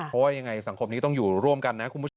เพราะว่ายังไงสังคมนี้ต้องอยู่ร่วมกันนะคุณผู้ชม